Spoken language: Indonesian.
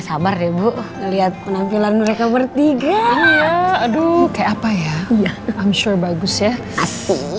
sabar ibu melihat penampilan mereka bertiga aduh kayak apa ya iya i'm sure bagus ya asli